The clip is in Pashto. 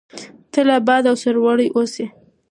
تل اباد او سرلوړي اوسئ.